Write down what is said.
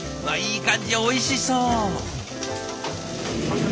いい感じおいしそう！